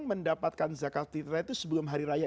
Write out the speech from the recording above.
mendapatkan zakat fitrah itu sebelum hari raya